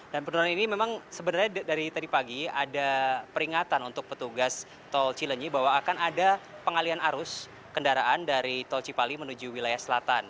dan penurunan ini memang sebenarnya dari tadi pagi ada peringatan untuk petugas tol cilinyi bahwa akan ada pengalian arus kendaraan dari tol cipali menuju wilayah selatan